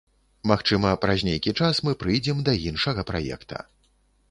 Магчыма, праз нейкі час мы прыйдзем да іншага праекта.